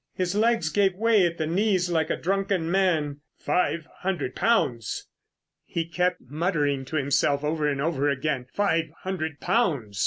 His legs gave way at the knees like a drunken man. "Five hundred pounds!" He kept muttering to himself over and over again. "Five hundred pounds!"